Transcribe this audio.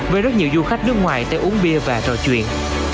với rất nhiều du khách nước ngoài tới uống bia và trò chuyện